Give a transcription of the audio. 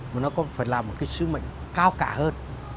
mà nó còn phải làm một cái sứ mệnh cao cả hơn